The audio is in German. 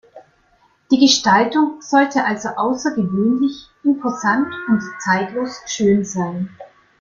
Die Gestaltung sollte also außergewöhnlich, imposant und zeitlos schön sein.